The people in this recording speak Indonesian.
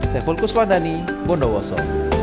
saya fulkus wadani bundaoso